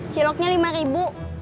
ciloknya rp lima